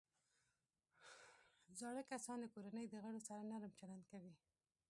زاړه کسان د کورنۍ د غړو سره نرم چلند کوي